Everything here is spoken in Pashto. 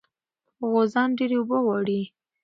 غوزان ډېرې اوبه غواړي.